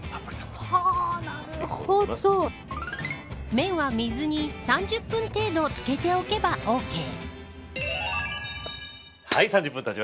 麺は水に３０分程度漬けておけばオーケー。